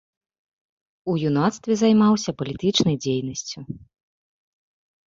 З юнацтве займаўся палітычнай дзейнасцю.